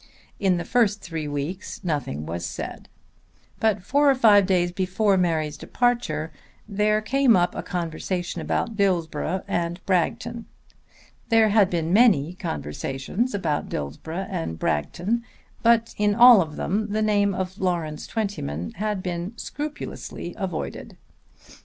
In the first three weeks nothing was said; but four or five days before Mary's departure there came up a conversation about Dillsborough and Bragton. There had been many conversations about Dillsborough and Bragton, but in all of them the name of Lawrence Twentyman had been scrupulously avoided.